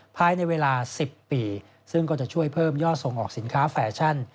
ภายในเวลา๑๐ปีซึ่งก็จะช่วยเพิ่มยอดส่งออกสินค้าแฟชั่น